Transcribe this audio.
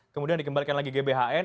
kemudian dikembalikan lagi gbhn